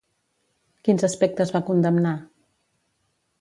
Quins aspectes va condemnar?